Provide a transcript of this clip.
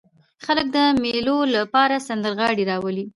خلک د مېلو له پاره سندرغاړي راولي.